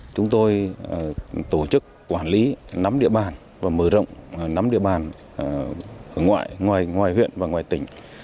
chúng tôi tổ chức quản lý nắm địa bàn và mở rộng nắm địa bàn ở ngoài ngoài huyện và ngoài tỉnh